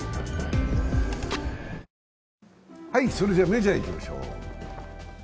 メジャーいきましょう。